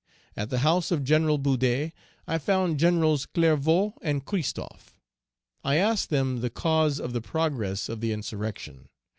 At the house of General Boudet I found Generals Clervaux and Christophe. I asked them the cause of the progress of the insurrection.